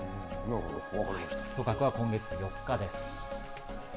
組閣は今月４日です。